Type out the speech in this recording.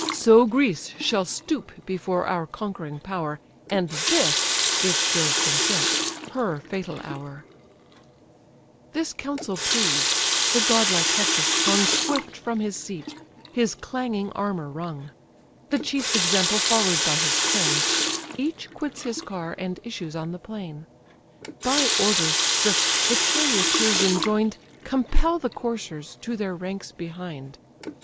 So Greece shall stoop before our conquering power, And this (if Jove consent) her fatal hour." POLYDAMAS ADVISING HECTOR This counsel pleased: the godlike Hector sprung Swift from his seat; his clanging armour rung. The chief's example follow'd by his train, Each quits his car, and issues on the plain, By orders strict the charioteers enjoin'd Compel the coursers to their ranks behind.